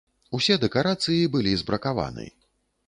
Усе дэкарацыі былі збракаваны.